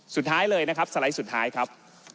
สุดท้ายเลยนะครับสไลด์สุดท้ายครับ